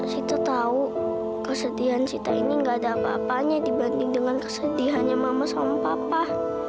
situ tahu kesedihan cita ini gak ada apa apanya dibanding dengan kesedihannya mama sama papa